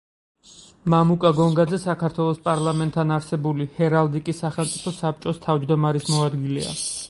მამუკა გონგაძე საქართველოს პარლამენტთან არსებული ჰერალდიკის სახელმწიფო საბჭოს თავმჯდომარის მოადგილე.